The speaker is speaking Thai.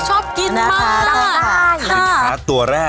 ขอบคุณครับ